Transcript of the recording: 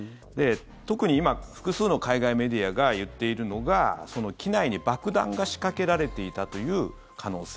特に今、複数の海外メディアが言っているのが機内に爆弾が仕掛けられていたという可能性。